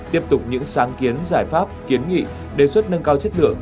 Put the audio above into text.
tiếp tục những sáng kiến giải pháp kiến nghị đề xuất nâng cao chất lượng